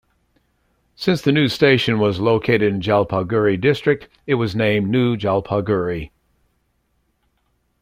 Since the new station was located in Jalpaiguri district, it was named New Jalpaiguri.